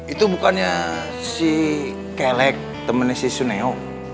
itu bukannya si kelek temennya si suneo